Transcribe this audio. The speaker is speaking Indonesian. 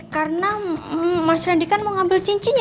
karena mas randy kan mau ngambil cincinnya